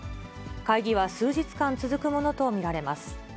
会議は数日間続くものと見られます。